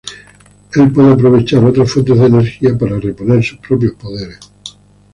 Él puede aprovechar otras fuentes de energía para reponer sus propios poderes.